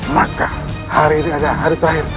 maka hari ini adalah hari terakhir